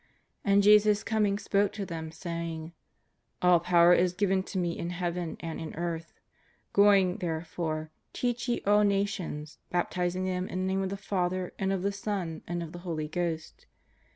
And Jesus coming spoke to them, saying: "All power is given to Me in Heaven and in earth. Going, therefore, teach ye all nations, baptising them in the Name of the Father, and of the Son, and of the Holy Ghost.